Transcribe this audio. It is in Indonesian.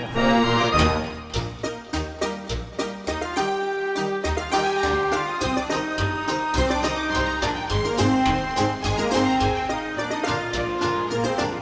kalau kita kulihat ga kerang